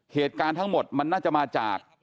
เหตุการณ์ทั้งหมดมันน่าจะมาจาก